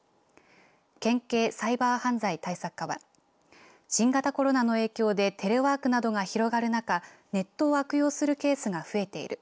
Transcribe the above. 県警サイバー犯罪対策課は新型コロナの影響でテレワークなどが広がる中ネットを悪用するケースが増えている。